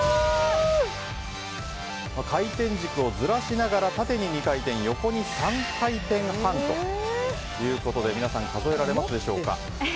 回転軸をずらしながら縦に２回転横に３回転半ということで数えられますでしょうか。